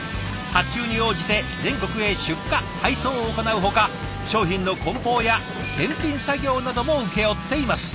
発注に応じて全国へ出荷配送を行うほか商品の梱包や検品作業なども請け負っています。